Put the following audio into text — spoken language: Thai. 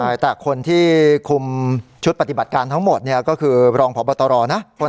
ใช่แต่คนที่คุมชุดปฏิบัติการทั้งหมดเนี่ยก็คือรองพบตรนะ